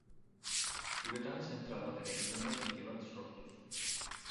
Uretan zentral bat eraikitzen da dike bat sortuz.